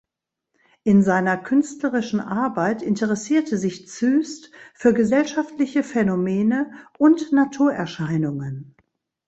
In seiner künstlerischen Arbeit interessierte sich Züst für gesellschaftliche Phänomene und Naturerscheinungen.